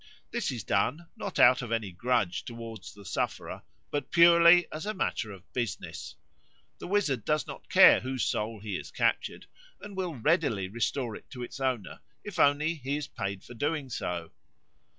This is done, not out of any grudge towards the sufferer, but purely as a matter of business. The wizard does not care whose soul he has captured, and will readily restore it to its owner, if only he is paid for doing so.